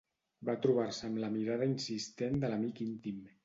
Va trobar-se amb la mirada insistent de l'amic íntim.